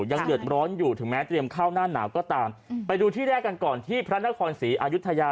ยังเดือดร้อนอยู่ถึงแม้เตรียมเข้าหน้าหนาวก็ตามไปดูที่แรกกันก่อนที่พระนครศรีอายุทยา